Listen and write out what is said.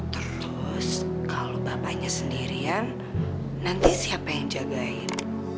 terus kalau bapaknya sendirian nanti siapa yang jagain